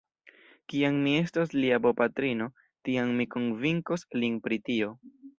Kiam mi estos lia bopatrino, tiam mi konvinkos lin pri tio.